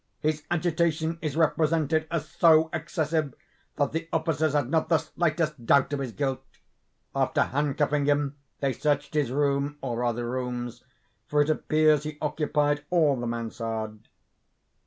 His agitation is represented as so excessive that the officers had not the slightest doubt of his guilt. After hand cuffing him, they searched his room, or rather rooms, for it appears he occupied all the mansarde.